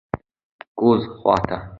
کوز خوات: